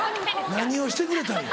「何をしてくれたんや」。